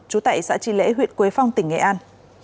trú tại xã tri lễ huyện quế phong tỉnh nghệ an